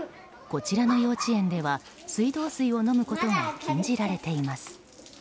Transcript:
こちらの幼稚園では水道水を飲むことが禁じられています。